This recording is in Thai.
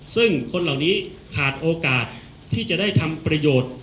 ซึ่งคนเหล่านี้ขาดโอกาสที่จะได้ทำประโยชน์